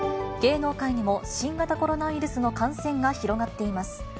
芸能界にも新型コロナウイルスの感染が広がっています。